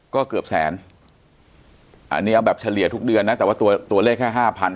ก็เกือบแสนอันนี้เอาแบบเฉลี่ยทุกเดือนนะแต่ว่าตัวเลขแค่ห้าพัน